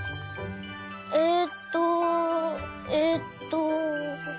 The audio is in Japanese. えっとえっと。